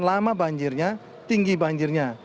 lama banjirnya tinggi banjirnya